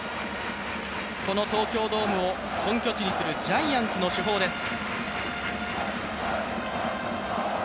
この東京ドームを本拠地にするジャイアンツの主砲です。